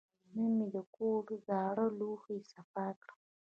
نن مې د کور زاړه لوښي صفا کړل.